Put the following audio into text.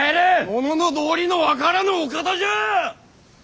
物の道理の分からぬお方じゃ！